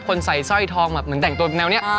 ใส่สร้อยทองแบบเหมือนแต่งตัวแนวนี้